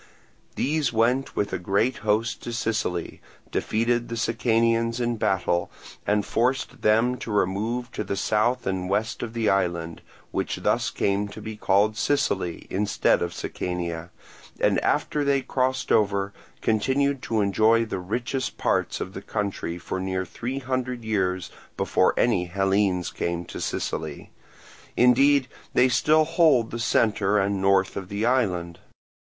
These went with a great host to Sicily, defeated the Sicanians in battle and forced them to remove to the south and west of the island, which thus came to be called Sicily instead of Sicania, and after they crossed over continued to enjoy the richest parts of the country for near three hundred years before any Hellenes came to Sicily; indeed they still hold the centre and north of the island.